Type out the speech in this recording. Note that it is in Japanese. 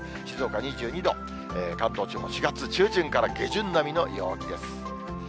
静岡２２度、関東地方も４月中旬から下旬並みの陽気です。